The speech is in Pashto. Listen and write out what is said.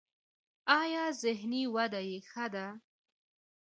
ایا ذهني وده یې ښه ده؟